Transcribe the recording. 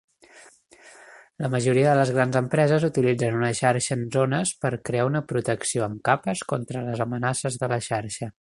La majoria de les grans empreses utilitzen una xarxa en zones per crear una protecció en capes contra les amenaces de la xarxa.